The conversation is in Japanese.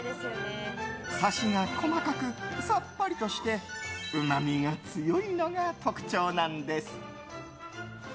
サシが細かく、さっぱりとしてうまみが強いのが特徴なんです。